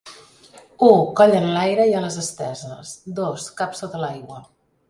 U, coll enlaire i ales esteses; dos, cap sota l'aigua.